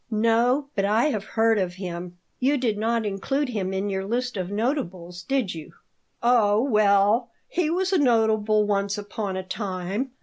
"No, but I have heard of him. You did not include him in your list of notables, did you?" "Oh, well, he was a notable once upon a time.